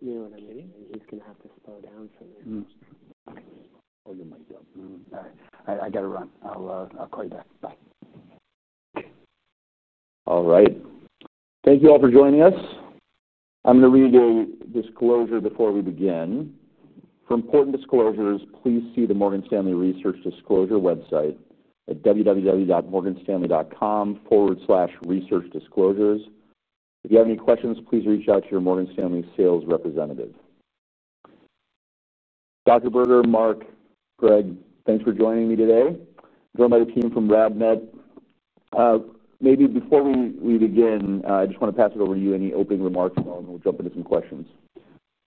Hey, you know what I'm doing? He's going to have to slow down for this. All right. You might go. Mm-hmm. All right. I got to run. I'll call you back. Bye. All right. Thank you all for joining us. I'm going to read you a disclosure before we begin. For important disclosures, please see the Morgan Stanley Research Disclosure website at www.morganstanley.com/researchdisclosures. If you have any questions, please reach out to your Morgan Stanley sales representative. Dr. Berger, Mark, Greg, thanks for joining me today. I'm joined by the team from RadNet. Maybe before we begin, I just want to pass it over to you. Any opening remarks at all? Then we'll jump into some questions.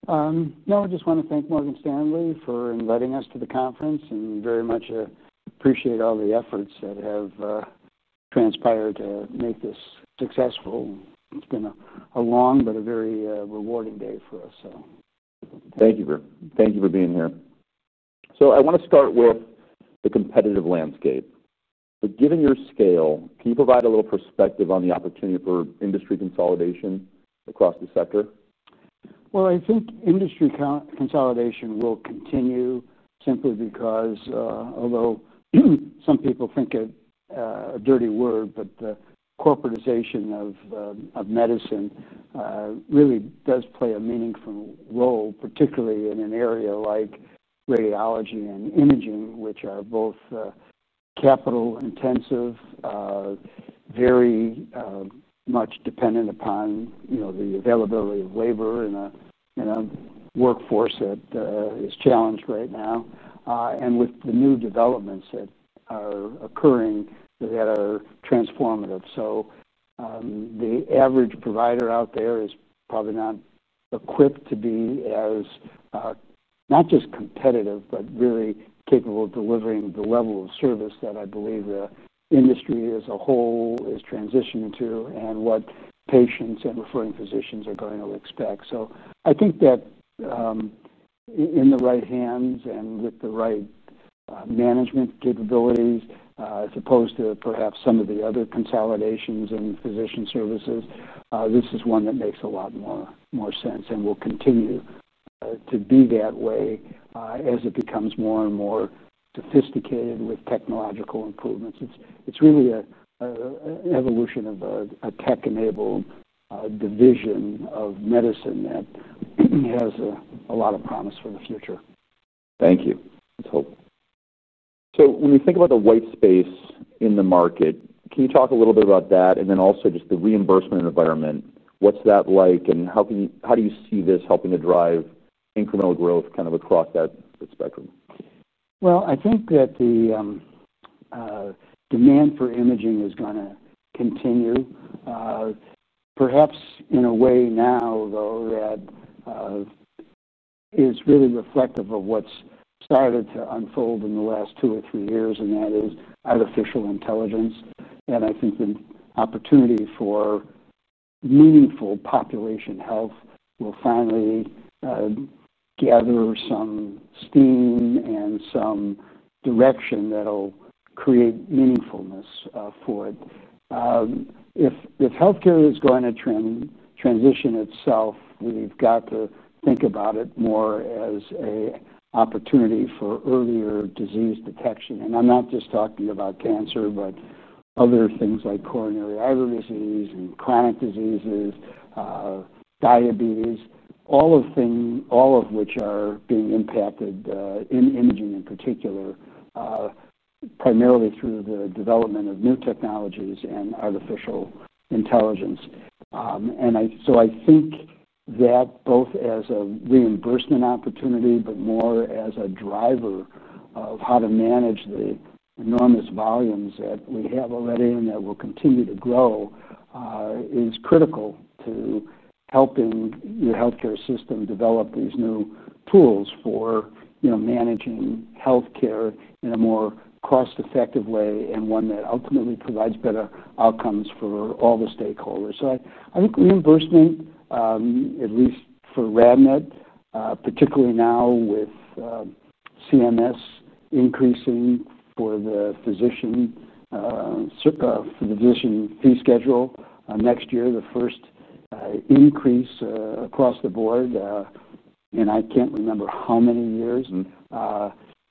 No, I just want to thank Morgan Stanley for inviting us to the conference and very much appreciate all the efforts that have transpired to make this successful. It's been a long but a very rewarding day for us. Thank you for being here. I want to start with the competitive landscape. Given your scale, can you provide a little perspective on the opportunity for industry consolidation across the sector? I think industry consolidation will continue simply because, although some people think it's a dirty word, the corporatization of medicine really does play a meaningful role, particularly in an area like radiology and imaging, which are both capital intensive, very much dependent upon the availability of labor in a workforce that is challenged right now, and with the new developments that are occurring that are transformative. The average provider out there is probably not equipped to be as, not just competitive, but really capable of delivering the level of service that I believe the industry as a whole is transitioning to and what patients and referring physicians are going to expect. I think that, in the right hands and with the right management capabilities, as opposed to perhaps some of the other consolidations in physician services, this is one that makes a lot more sense and will continue to be that way as it becomes more and more sophisticated with technological improvements. It's really an evolution of a tech-enabled division of medicine that has a lot of promise for the future. Thank you. That's helpful. When you think about the white space in the market, can you talk a little bit about that? Also, just the reimbursement environment, what's that like? How do you see this helping to drive incremental growth across that spectrum? I think that the demand for imaging is going to continue, perhaps in a way now, though, that is really reflective of what's started to unfold in the last two or three years, and that is artificial intelligence. I think the opportunity for meaningful population health will finally gather some steam and some direction that'll create meaningfulness for it. If healthcare is going to transition itself, we've got to think about it more as an opportunity for earlier disease detection. I'm not just talking about cancer, but other things like coronary artery disease and chronic diseases, diabetes, all of them, all of which are being impacted in imaging in particular, primarily through the development of new technologies and artificial intelligence. I think that both as a reimbursement opportunity, but more as a driver of how to manage the enormous volumes that we have already and that will continue to grow, is critical to helping your healthcare system develop these new tools for managing healthcare in a more cost-effective way and one that ultimately provides better outcomes for all the stakeholders. I think reimbursement, at least for RadNet, particularly now with CMS increasing for the physician, for the physician fee schedule, next year, the first increase across the board, and I can't remember how many years,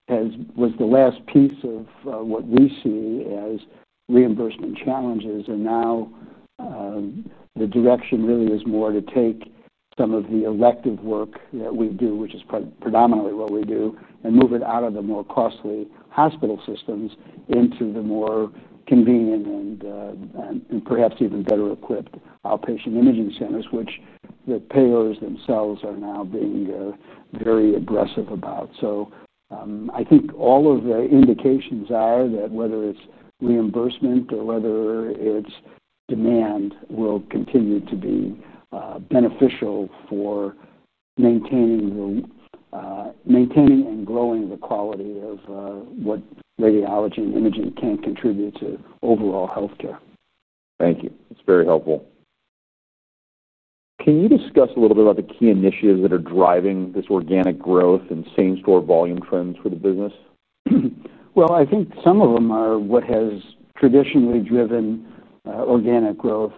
was the last piece of what we see as reimbursement challenges. Now, the direction really is more to take some of the elective work that we do, which is predominantly what we do, and move it out of the more costly hospital systems into the more convenient and perhaps even better equipped outpatient imaging centers, which the payers themselves are now being very aggressive about. I think all of the indications are that whether it's reimbursement or whether it's demand will continue to be beneficial for maintaining and growing the quality of what radiology and imaging can contribute to overall healthcare. Thank you. That's very helpful. Can you discuss a little bit about the key initiatives that are driving this organic growth and same-store volume trends for the business? I think some of them are what has traditionally driven organic growth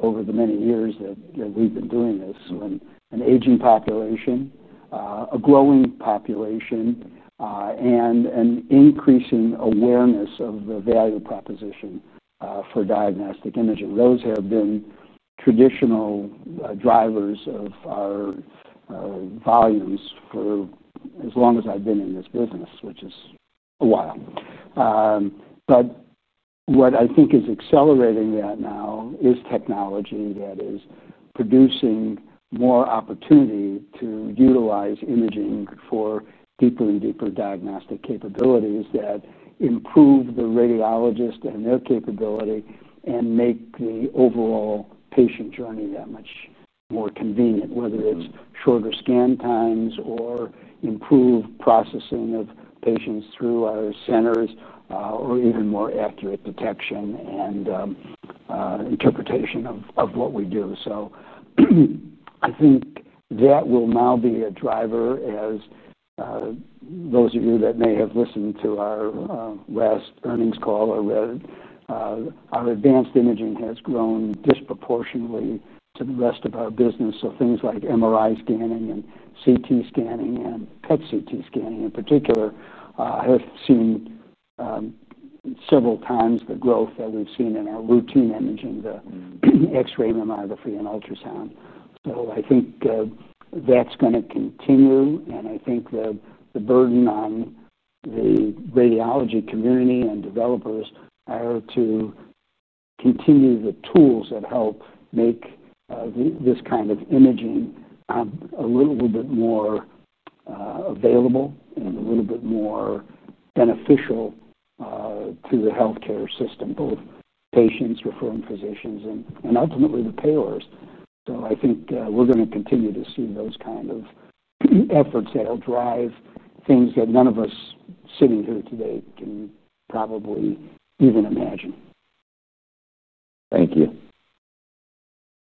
over the many years that we've been doing this. An aging population, a growing population, and an increase in awareness of the value proposition for diagnostic imaging have been traditional drivers of our volumes for as long as I've been in this business, which is a while. What I think is accelerating that now is technology that is producing more opportunity to utilize imaging for deeper and deeper diagnostic capabilities that improve the radiologist and their capability and make the overall patient journey that much more convenient, whether it's shorter scan times or improved processing of patients through our centers, or even more accurate detection and interpretation of what we do. I think that will now be a driver as those of you that may have listened to our last earnings call already, our advanced imaging has grown disproportionately to the rest of our business. Things like MRI scanning and CT scanning and PET/CT scanning in particular have seen several times the growth that we've seen in our routine imaging, the X-ray, mammography, and ultrasound. I think that's going to continue. I think the burden on the radiology community and developers are to continue the tools that help make this kind of imaging a little bit more available and a little bit more beneficial to the healthcare system, both patients, referring physicians, and ultimately the payers. I think we're going to continue to see those kind of efforts that will drive things that none of us sitting here today can probably even imagine. Thank you.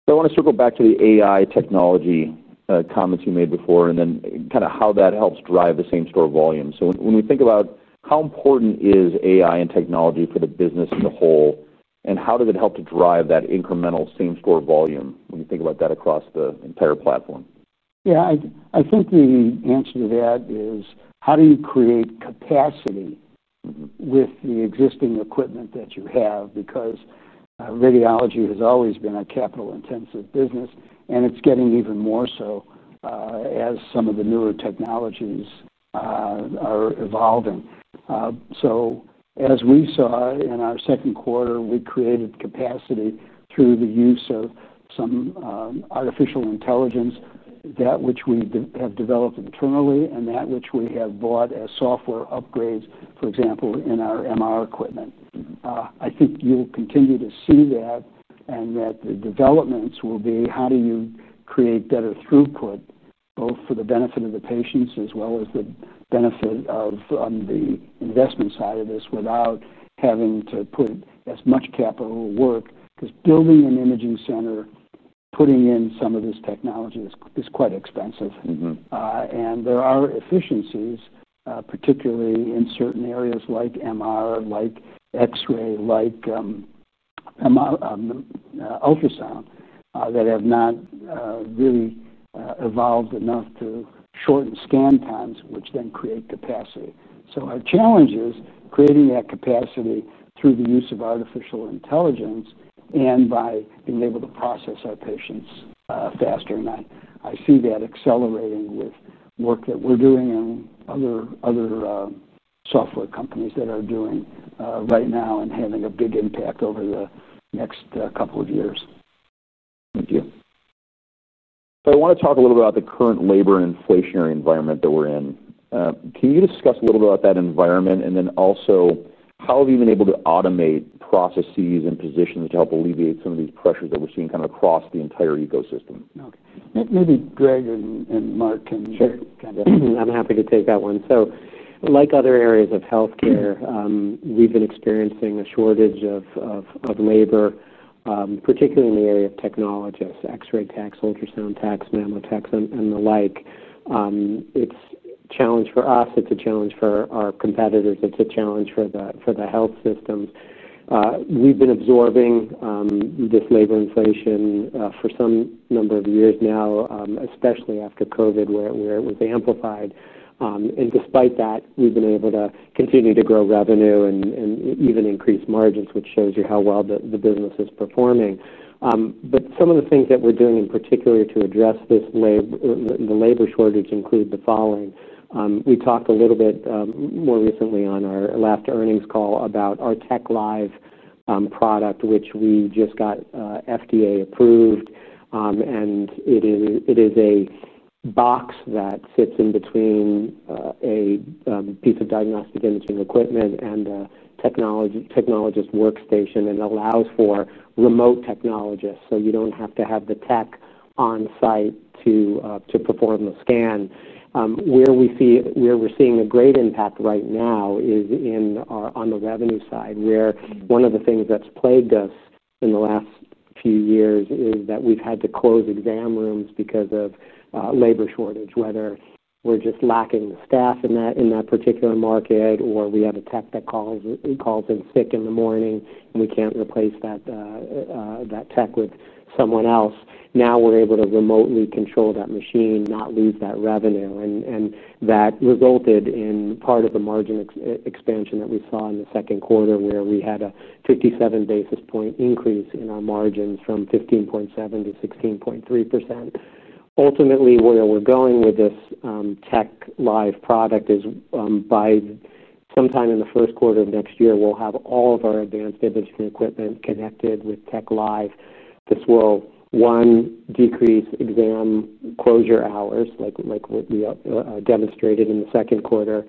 I want to circle back to the AI technology comments you made before and then how that helps drive the same-store volume. When we think about how important is AI and technology for the business as a whole, and how does it help to drive that incremental same-store volume when you think about that across the entire platform? I think the answer to that is how do you create capacity with the existing equipment that you have? Radiology has always been a capital-intensive business, and it's getting even more so, as some of the newer technologies are evolving. As we saw in our second quarter, we created capacity through the use of some artificial intelligence, that which we have developed internally and that which we have bought as software upgrades, for example, in our MR equipment. I think you'll continue to see that and that the developments will be how do you create better throughput, both for the benefit of the patients as well as the benefit of the investment side of this without having to put as much capital to work? Building an imaging center, putting in some of this technology is quite expensive. There are efficiencies, particularly in certain areas like MR, like X-ray, like ultrasound, that have not really evolved enough to shorten scan times, which then create capacity. Our challenge is creating that capacity through the use of artificial intelligence and by being able to process our patients faster. I see that accelerating with work that we're doing and other software companies that are doing right now and having a big impact over the next couple of years. Thank you. I want to talk a little bit about the current labor and inflationary environment that we're in. Can you discuss a little bit about that environment? Also, how have you been able to automate processes and positions to help alleviate some of these pressures that we're seeing across the entire ecosystem? Okay. Maybe Greg and Mark can kind of. I'm happy to take that one. Like other areas of healthcare, we've been experiencing a shortage of labor, particularly in the area of technologists, X-ray techs, ultrasound techs, nano techs, and the like. It's a challenge for us, it's a challenge for our competitors, it's a challenge for the health systems. We've been absorbing this labor inflation for some number of years now, especially after COVID, where it was amplified. Despite that, we've been able to continue to grow revenue and even increase margins, which shows you how well the business is performing. Some of the things that we're doing in particular to address this labor shortage include the following. We talked a little bit more recently on our last earnings call about our TechLive product, which we just got FDA-approved. It is a box that sits in between a piece of diagnostic imaging equipment and a technologist workstation. It allows for remote technologists, so you don't have to have the tech on-site to perform the scan. Where we're seeing a great impact right now is on the revenue side, where one of the things that's plagued us in the last few years is that we've had to close exam rooms because of labor shortage, whether we're just lacking the staff in that particular market, or we have a tech that calls in sick in the morning and we can't replace that tech with someone else. Now we're able to remotely control that machine, not lose that revenue, and that resulted in part of the margin expansion that we saw in the second quarter, where we had a 57 basis point increase in our margins from 15.7% to 16.3%. Ultimately, where we're going with this TechLive product is by sometime in the first quarter of next year, we'll have all of our advanced imaging equipment connected with TechLive. This will, one, decrease exam closure hours, like what we demonstrated in the second quarter.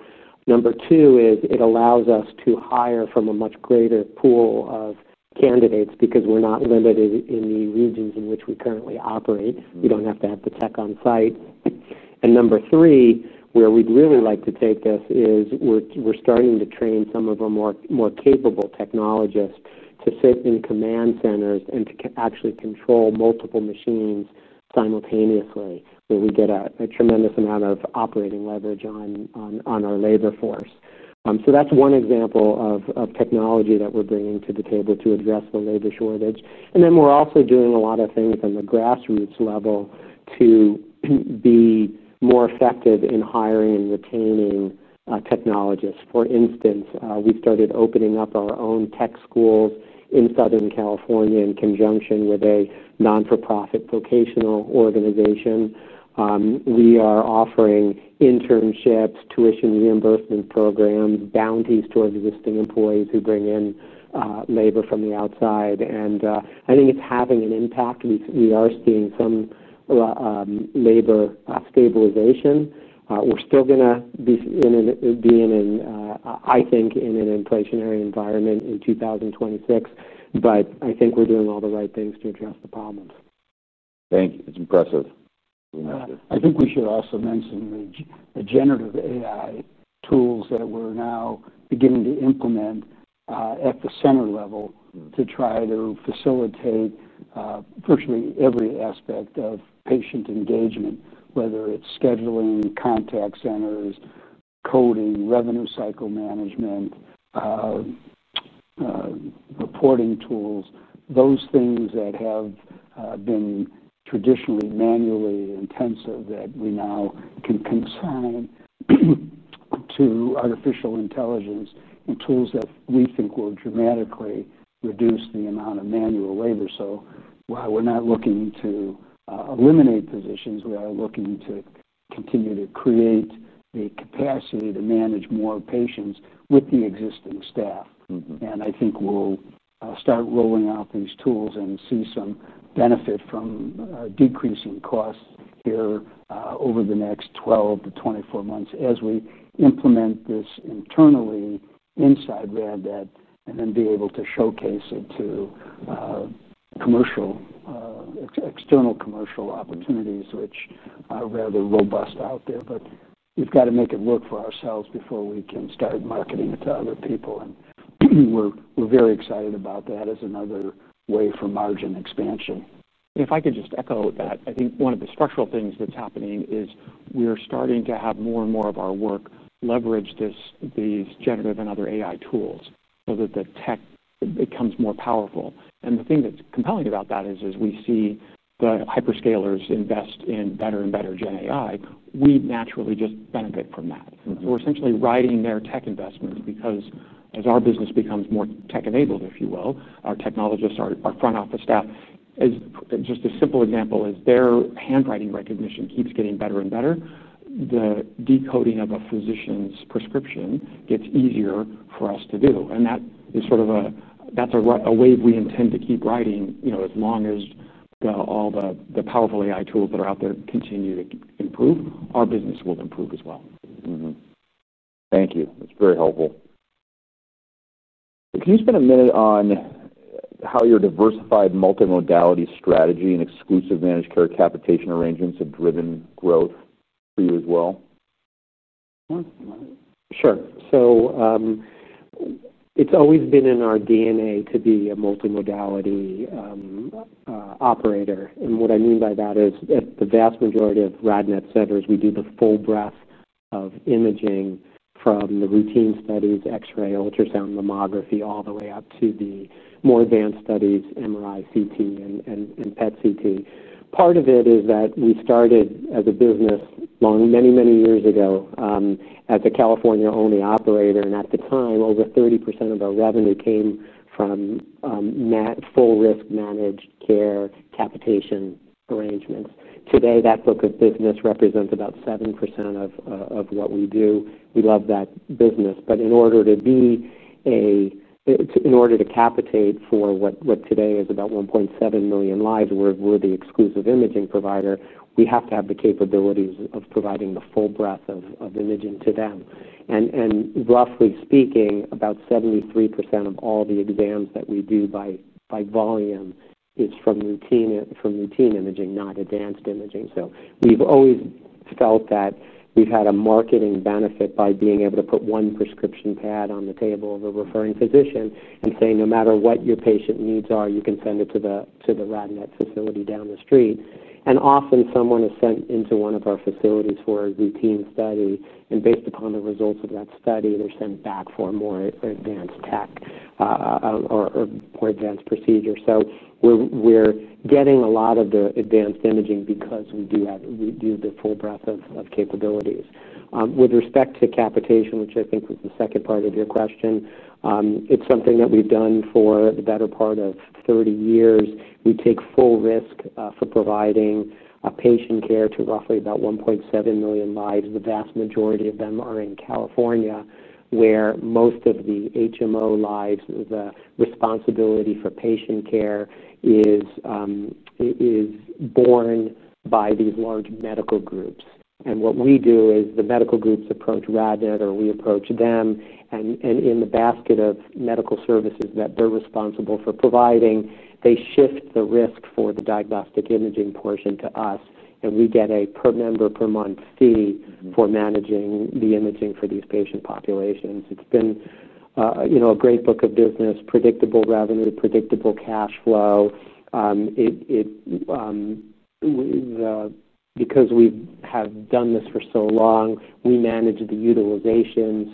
Number two is it allows us to hire from a much greater pool of candidates because we're not limited in the regions in which we currently operate. You don't have to have the tech on site. Number three, where we'd really like to take this is we're starting to train some of our more capable technologists to sit in command centers and to actually control multiple machines simultaneously. We get a tremendous amount of operating leverage on our labor force. That's one example of technology that we're bringing to the table to address the labor shortage. We're also doing a lot of things on the grassroots level to be more effective in hiring and retaining technologists. For instance, we started opening up our own tech school in Southern California in conjunction with a not-for-profit vocational organization. We are offering internships, tuition reimbursement programs, bounties to our existing employees who bring in labor from the outside. I think it's having an impact. We are seeing some labor stabilization. We're still going to be in, I think, an inflationary environment in 2026, but I think we're doing all the right things to address the problems. Thank you. It's impressive. I think we should also mention the generative AI tools that we're now beginning to implement at the center level to try to facilitate virtually every aspect of patient engagement, whether it's scheduling, contact centers, coding, revenue cycle management, reporting tools, those things that have been traditionally manually intensive that we now can consign to artificial intelligence and tools that we think will dramatically reduce the amount of manual labor. While we're not looking to eliminate positions, we are looking to continue to create the capacity to manage more patients with the existing staff. I think we'll start rolling out these tools and see some benefit from decreasing costs here over the next 12 months-24 months as we implement this internally inside RadNet and then be able to showcase it to external commercial opportunities, which are rather robust out there. We've got to make it work for ourselves before we can start marketing it to other people. We're very excited about that as another way for margin expansion. If I could just echo that, I think one of the structural things that's happening is we're starting to have more and more of our work leverage this, these generative and other AI tools so that the tech becomes more powerful. The thing that's compelling about that is as we see the hyperscalers invest in better and better GenAI, we naturally just benefit from that. We're essentially riding their tech investments because as our business becomes more tech-enabled, if you will, our technologists, our front office staff, a simple example is their handwriting recognition keeps getting better and better. The decoding of a physician's prescription gets easier for us to do. That is a wave we intend to keep riding, you know, as long as all the powerful AI tools that are out there continue to improve, our business will improve as well. Mm-hmm. Thank you. That's very helpful. Could you spend a minute on how your diversified multimodality strategy and exclusive managed care capitation arrangements have driven growth for you as well? Sure. It's always been in our DNA to be a multimodality operator. What I mean by that is at the vast majority of RadNet centers, we do the full breadth of imaging from the routine studies, X-ray, ultrasound, mammography, all the way up to the more advanced studies, MRI, CT, and PET/CT. Part of it is that we started as a business many, many years ago as a California-only operator. At the time, over 30% of our revenue came from net full-risk managed care capitation arrangements. Today, that book of business represents about 7% of what we do. We love that business. In order to capitate for what today is about 1.7 million lives, we're the exclusive imaging provider. We have to have the capabilities of providing the full breadth of imaging to them. Roughly speaking, about 73% of all the exams that we do by volume is from routine imaging, not advanced imaging. We've always felt that we've had a marketing benefit by being able to put one prescription pad on the table of a referring physician and say, "No matter what your patient needs are, you can send it to the RadNet facility down the street." Often, someone is sent into one of our facilities for a routine study. Based upon the results of that study, they're sent back for a more advanced tech or more advanced procedure. We're getting a lot of the advanced imaging because we do the full breadth of capabilities. With respect to capitation, which I think was the second part of your question, it's something that we've done for the better part of 30 years. We take full risk for providing patient care to roughly about 1.7 million lives. The vast majority of them are in California, where most of the HMO lives, the responsibility for patient care is borne by these large medical groups. What we do is the medical groups approach RadNet or we approach them. In the basket of medical services that they're responsible for providing, they shift the risk for the diagnostic imaging portion to us. We get a per member per month fee for managing the imaging for these patient populations. It's been a great book of business, predictable revenue, predictable cash flow. Because we have done this for so long, we manage the utilization.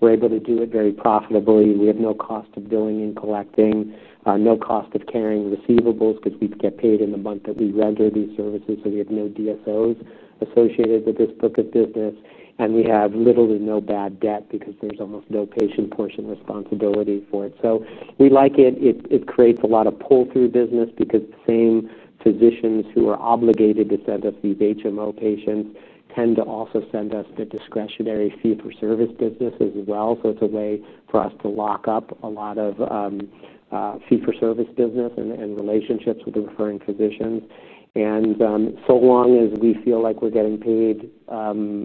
We're able to do it very profitably. We have no cost of going and collecting, no cost of carrying receivables because we get paid in the month that we render these services. We have no DSOs associated with this book of business, and we have little to no bad debt because there's almost no patient portion responsibility for it. We like it. It creates a lot of pull-through business because the same physicians who are obligated to send us these HMO patients tend to also send us the discretionary fee-for-service business as well. It's a way for us to lock up a lot of fee-for-service business and relationships with the referring physicians. As long as we feel like we're getting paid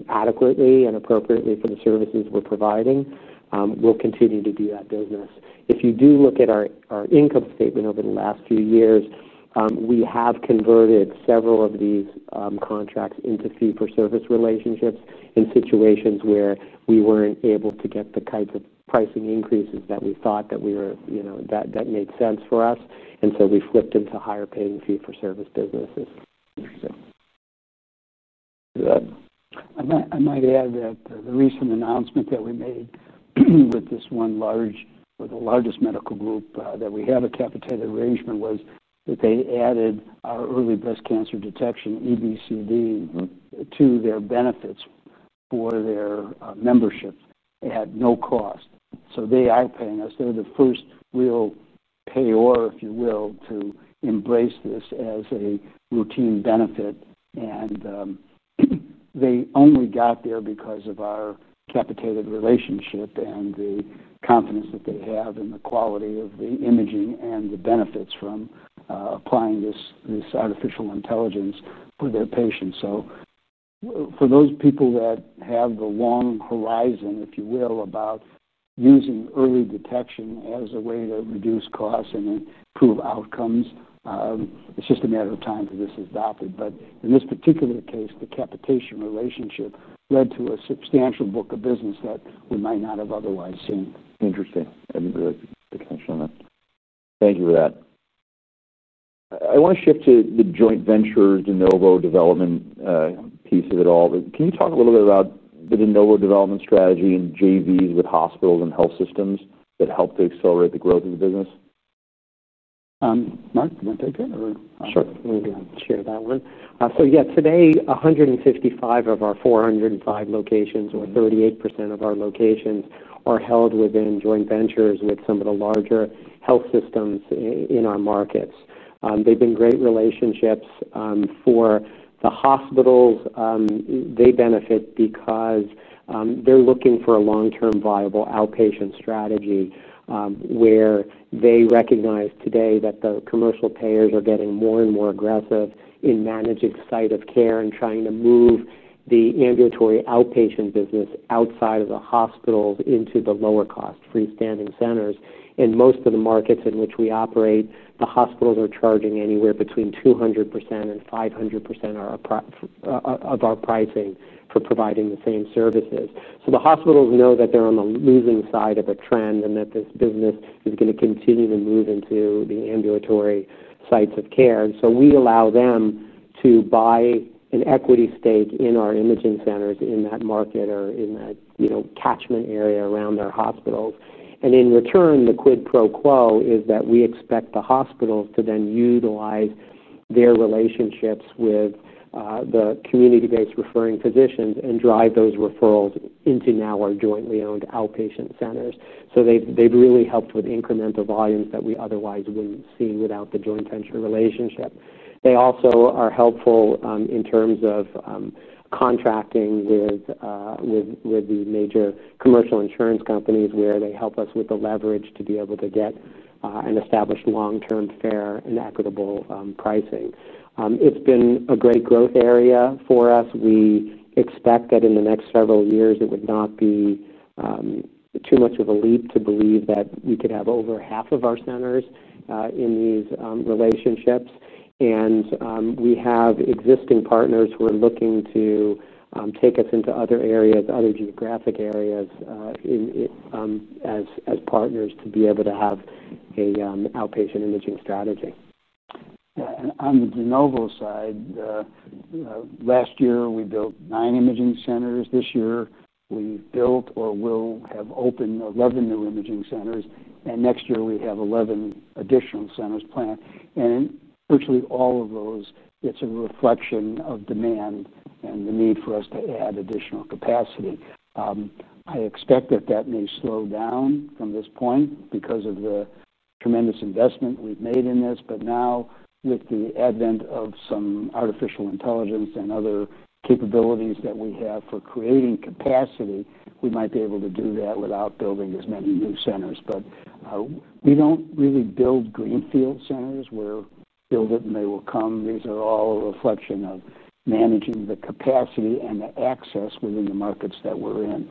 adequately and appropriately for the services we're providing, we'll continue to do that business. If you look at our income statement over the last few years, we have converted several of these contracts into fee-for-service relationships in situations where we weren't able to get the types of pricing increases that we thought made sense for us, and we flipped into higher-paying fee-for-service businesses. I might add that the recent announcement that we made with this one large, or the largest, medical group that we have a capitated arrangement with was that they added our early breast cancer detection, EBCD, to their benefits for their membership at no cost. They are paying us. They're the first real payor, if you will, to embrace this as a routine benefit, and they only got there because of our capitated relationship and the confidence that they have in the quality of the imaging and the benefits from applying this artificial intelligence for their patients. For those people that have the long horizon, if you will, about using early detection as a way to reduce costs and improve outcomes, it's just a matter of time for this to be adopted. In this particular case, the capitation relationship led to a substantial book of business that we might not have otherwise seen. Interesting. I didn't really think I'd touch on that. Thank you for that. I want to shift to the joint venture, the Novo development piece of it all. Can you talk a little bit about the Genovo development strategy and JVs with hospitals and health systems that helped accelerate the growth of the business? Mark, do you want to take it? Sure. Today, 155 of our 405 locations, or 38% of our locations, are held within joint ventures with some of the larger health systems in our markets. They've been great relationships for the hospitals. They benefit because they're looking for a long-term viable outpatient strategy, where they recognize today that the commercial payers are getting more and more aggressive in managing site of care and trying to move the ambulatory outpatient business outside of the hospitals into the lower-cost freestanding centers. In most of the markets in which we operate, the hospitals are charging anywhere between 200% and 500% of our pricing for providing the same services. The hospitals know that they're on the losing side of a trend and that this business is going to continue to move into the ambulatory sites of care. We allow them to buy an equity stake in our imaging centers in that market or in that catchment area around their hospitals. In return, the quid pro quo is that we expect the hospitals to then utilize their relationships with the community-based referring physicians and drive those referrals into now our jointly owned outpatient centers. They've really helped with incremental volumes that we otherwise wouldn't see without the joint venture relationship. They also are helpful in terms of contracting with the major commercial insurance companies where they help us with the leverage to be able to get an established long-term fair and equitable pricing. It's been a great growth area for us. We expect that in the next several years, it would not be too much of a leap to believe that we could have over half of our centers in these relationships. We have existing partners who are looking to take us into other areas, other geographic areas, as partners to be able to have an outpatient imaging strategy. On the Genovo side, last year, we built nine imaging centers. This year, we built or will have opened 11 new imaging centers. Next year, we have 11 additional centers planned. In virtually all of those, it's a reflection of demand and the need for us to add additional capacity. I expect that that may slow down from this point because of the tremendous investment we've made in this. Now, with the advent of some artificial intelligence and other capabilities that we have for creating capacity, we might be able to do that without building as many new centers. We don't really build greenfield centers. We'll build it and they will come. These are all a reflection of managing the capacity and the access within the markets that we're in.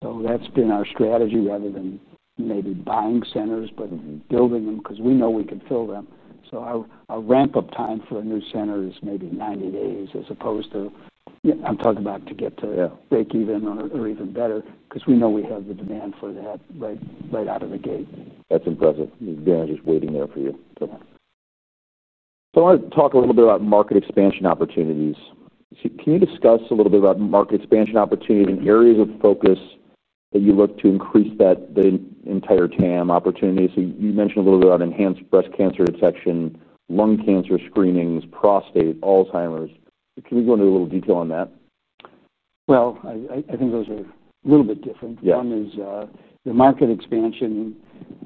That's been our strategy rather than maybe buying centers, but building them because we know we can fill them. Our ramp-up time for a new center is maybe 90 days as opposed to, yeah, I'm talking about to get to break even or even better because we know we have the demand for that right out of the gate. That's impressive. The demand is waiting there for you. I want to talk a little bit about market expansion opportunities. Can you discuss a little bit about market expansion opportunities and areas of focus that you look to increase that entire TAM opportunity? You mentioned a little bit about enhanced breast cancer detection, lung cancer screenings, prostate, Alzheimer's. Can we go into a little detail on that? I think those are a little bit different. One is the market expansion.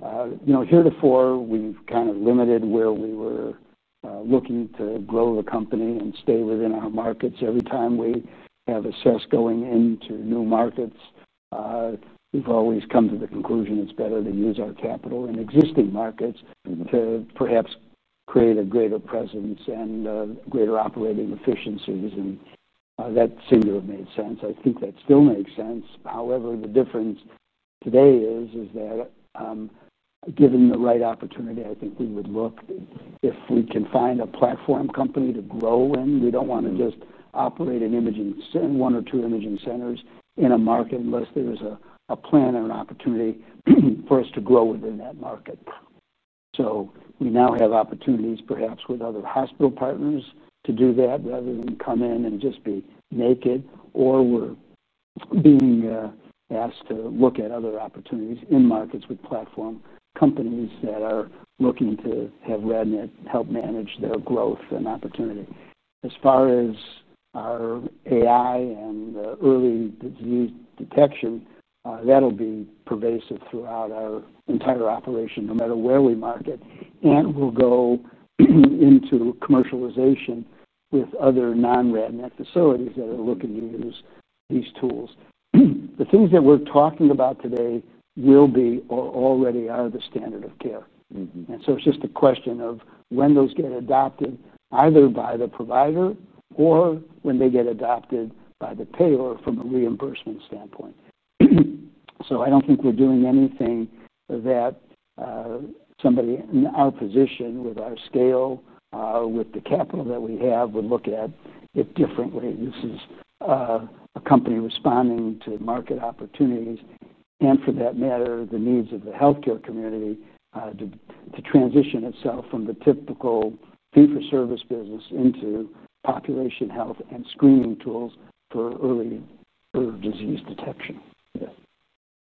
You know, heretofore, we've kind of limited where we were, looking to grow the company and stay within our markets. Every time we have a test going into new markets, we've always come to the conclusion it's better to use our capital in existing markets to perhaps create a greater presence and greater operating efficiencies. That seemed to have made sense. I think that still makes sense. However, the difference today is that, given the right opportunity, I think we would look if we can find a platform company to grow in. We don't want to just operate in one or two imaging centers in a market unless there is a plan or an opportunity for us to grow within that market. We now have opportunities, perhaps, with other hospital partners to do that rather than come in and just be naked, or we're being asked to look at other opportunities in markets with platform companies that are looking to have RadNet help manage their growth and opportunity. As far as our AI and the early disease detection, that'll be pervasive throughout our entire operation, no matter where we market. We'll go into commercialization with other non-RadNet facilities that are looking to use these tools. The things that we're talking about today will be already the standard of care. It's just a question of when those get adopted either by the provider or when they get adopted by the payer from a reimbursement standpoint. I don't think we're doing anything that somebody in our position with our scale, with the capital that we have would look at it differently. This is a company responding to market opportunities and, for that matter, the needs of the healthcare community, to transition itself from the typical fee-for-service business into population health and screening tools for early disease detection. Yeah.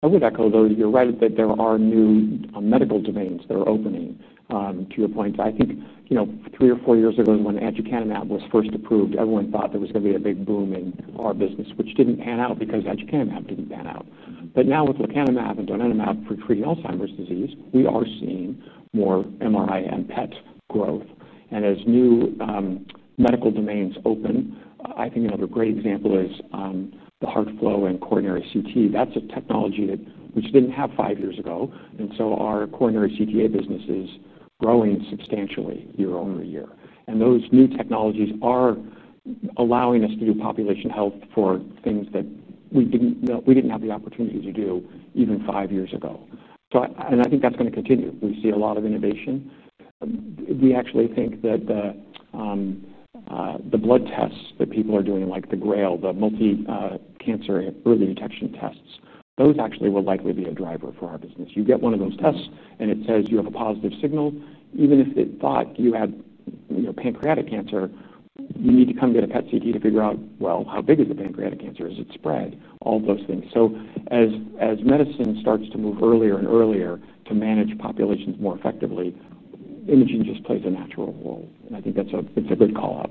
I would echo, though, you're right that there are new medical domains that are opening. To your point, I think, you know, three or four years ago, when Aducanumab was first approved, everyone thought there was going to be a big boom in our business, which didn't pan out because Aducanumab didn't pan out. Now with Lecanemab and Donanemab for treating Alzheimer's disease, we are seeing more MRI and PET growth. As new medical domains open, I think another great example is the HeartFlow and Coronary CT. That's a technology that we just didn't have five years ago. Our Coronary CTA business is growing substantially year-over-year. Those new technologies are allowing us to do population health for things that we didn't know we didn't have the opportunity to do even five years ago. I think that's going to continue. We see a lot of innovation. We actually think that the blood tests that people are doing, like the GRAIL, the multi-cancer early detection tests, those actually will likely be a driver for our business. You get one of those tests and it says you have a positive signal. Even if it thought you had, you know, pancreatic cancer, you need to come get a PET/CT to figure out, well, how big is the pancreatic cancer? Is it spread? All those things. As medicine starts to move earlier and earlier to manage populations more effectively, imaging just plays a natural role. I think that's a good callout.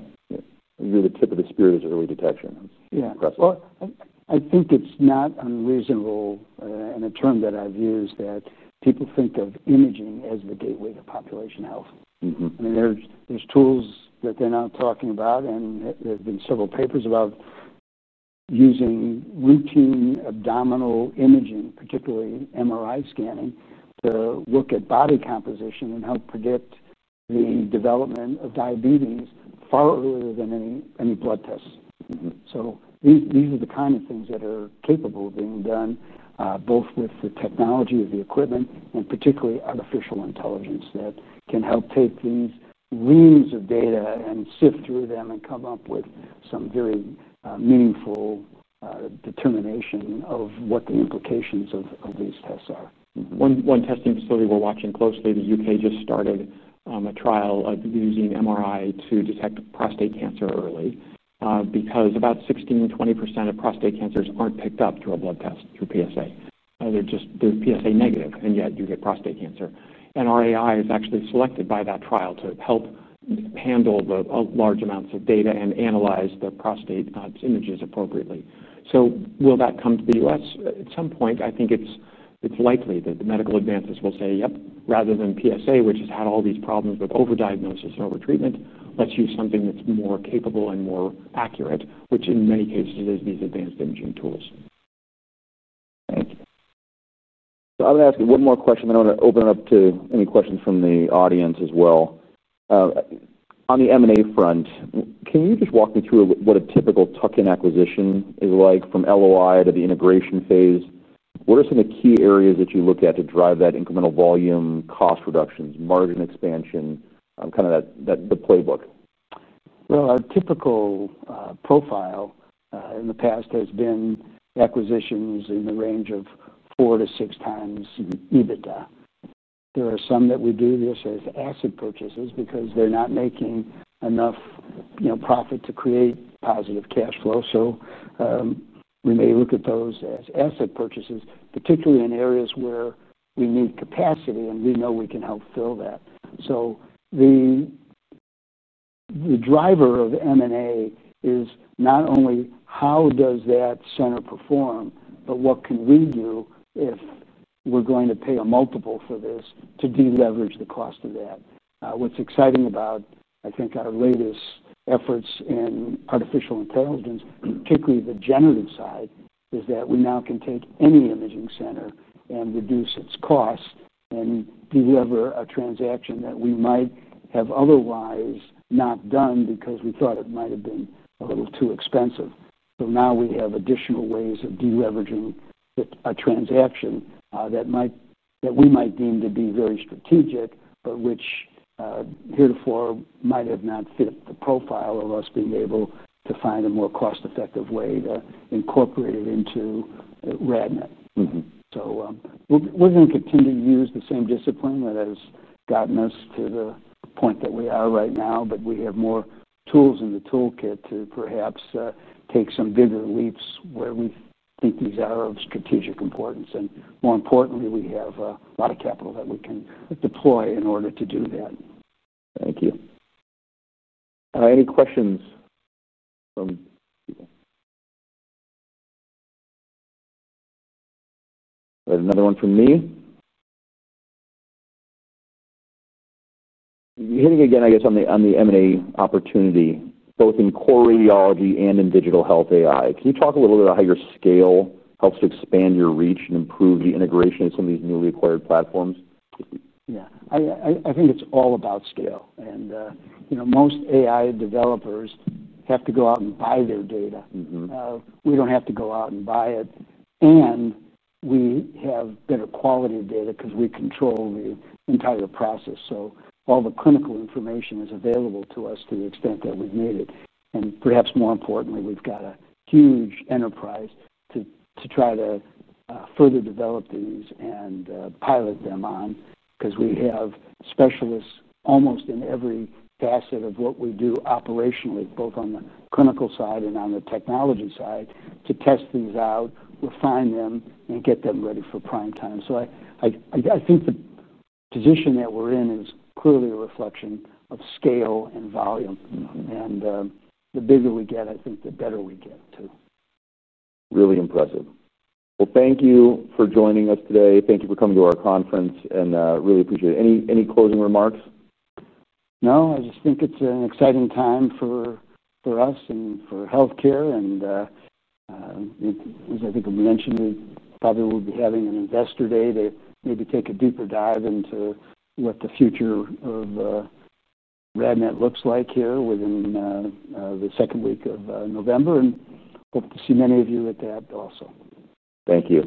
You're the tip of the spear. That's early detection. That's impressive. Yeah. I think it's not unreasonable, and a term that I've used, that people think of imaging as the gateway to population health. I mean, there are tools that they're now talking about, and there have been several papers about using routine abdominal imaging, particularly MRI scanning, to look at body composition and help predict the development of diabetes far earlier than any blood tests. These are the kind of things that are capable of being done, both with the technology of the equipment and particularly artificial intelligence that can help take these reams of data and sift through them and come up with some very meaningful determination of what the implications of these tests are. One testing facility we're watching closely, the U.K. just started a trial of using MRI to detect prostate cancer early, because about 16%-20% of prostate cancers aren't picked up through a blood test, through PSA. They're just PSA negative, and yet you get prostate cancer. Our AI is actually selected by that trial to help handle the large amounts of data and analyze the prostate images appropriately. Will that come to the U.S.? At some point, I think it's likely that the medical advances will say, "Yep, rather than PSA, which has had all these problems with overdiagnosis and overtreatment, let's use something that's more capable and more accurate," which in many cases is these advanced imaging tools. I'm going to ask you one more question, and then I'm going to open it up to any questions from the audience as well. On the M&A front, can you just walk me through what a typical tuck-in acquisition is like from LOI to the integration phase? What are some of the key areas that you look at to drive that incremental volume, cost reductions, margin expansion, kind of that playbook? A typical profile in the past has been acquisitions in the range of four to 6x EBITDA. There are some that we do as asset purchases because they're not making enough profit to create positive cash flow. We may look at those as asset purchases, particularly in areas where we need capacity and we know we can help fill that. The driver of M&A is not only how does that center perform, but what can we do if we're going to pay a multiple for this to deleverage the cost of that. What's exciting about, I think, our latest efforts in artificial intelligence, particularly the generative side, is that we now can take any imaging center and reduce its costs and deliver a transaction that we might have otherwise not done because we thought it might have been a little too expensive. Now we have additional ways of deleveraging a transaction that we might deem to be very strategic, but which, heretofore, might have not fit the profile of us being able to find a more cost-effective way to incorporate it into RadNet. We're going to continue to use the same discipline that has gotten us to the point that we are right now, but we have more tools in the toolkit to perhaps take some bigger leaps where we think these are of strategic importance. More importantly, we have a lot of capital that we can deploy in order to do that. Thank you. Any questions? There's another one from me. You're hitting again, I guess, on the M&A opportunity, both in core radiology and in digital health AI. Can you talk a little bit about how your scale helps to expand your reach and improve the integration of some of these newly acquired platforms? Yeah. I think it's all about scale. Most AI developers have to go out and buy their data. We don't have to go out and buy it. We have better quality of data because we control the entire process. All the clinical information is available to us to the extent that we need it. Perhaps more importantly, we've got a huge enterprise to try to further develop these and pilot them on because we have specialists almost in every facet of what we do operationally, both on the clinical side and on the technology side, to test things out, refine them, and get them ready for prime time. I think the position that we're in is clearly a reflection of scale and volume. The bigger we get, I think the better we get too. Really impressive. Thank you for joining us today. Thank you for coming to our conference, and I really appreciate it. Any closing remarks? No. I just think it's an exciting time for us and for healthcare. I think we mentioned that probably we'll be having an investor day to maybe take a deeper dive into what the future of RadNet looks like here within the second week of November. Hope to see many of you at that also. Thank you.